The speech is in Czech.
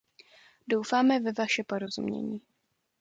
Doufáme ve vaše porozumění.